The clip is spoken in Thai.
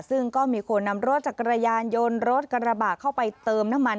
ซึ่งก็มีคนนำรถจักรยานยนต์รถกระบะเข้าไปเติมน้ำมัน